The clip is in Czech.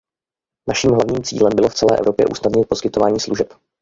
Naším hlavním cílem bylo v celé Evropě usnadnit poskytování služeb.